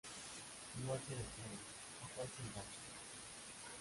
Noche de estrenos ¿a cuál se engancha?